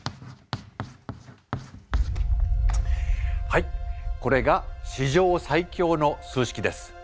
はいこれが史上最強の数式です。